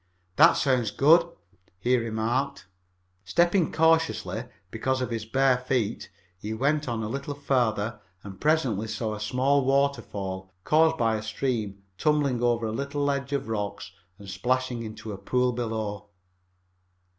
"That sounds good," he remarked. Stepping cautiously, because of his bare feet, he went on a little farther and presently saw a small waterfall, caused by a stream tumbling over a little ledge of rocks and splashing into a pool below.